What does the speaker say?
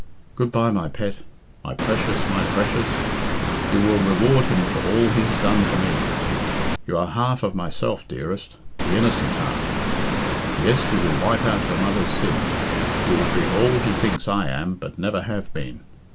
Good bye, my pet! My precious, my precious! You will reward him for all he has done for me. You are half of myself, dearest the innocent half. Yes, you will wipe out your mother's sin. You will be all he thinks I am, but never have been.